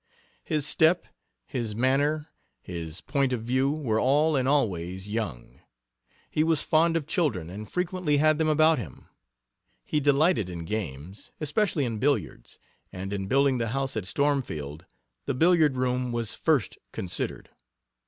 His step, his manner, his point of view, were all and always young. He was fond of children and frequently had them about him. He delighted in games especially in billiards and in building the house at Stormfield the billiard room was first considered.